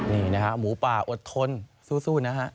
นี่นะฮะหมูป่าอดทนสู้นะฮะ